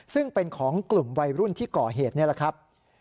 ซึ่งเป็นของกลุ่มวัยรุ่นที่ก่อเหตุนี่แหละครับ